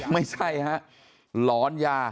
ไม่ใช่ฮะหลอนยา